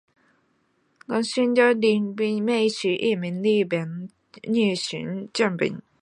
兴梠里美是一名日本女性声优。